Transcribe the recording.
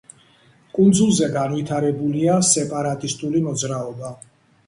კუნძულზე განვითარებულია სეპარატისტული მოძრაობა.